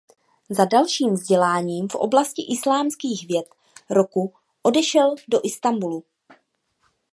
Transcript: Za dalším vzděláním v oblasti islámských věd roku odešel do Istanbulu.